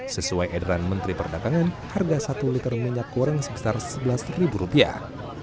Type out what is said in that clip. sesuai edaran menteri perdagangan harga satu liter minyak goreng sebesar sebelas rupiah